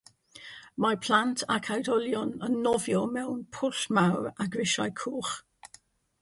Mae plant ac oedolion yn nofio mewn pwll mawr â grisiau coch.